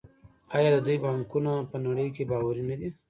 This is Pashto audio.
آیا د دوی بانکونه په نړۍ کې باوري نه دي؟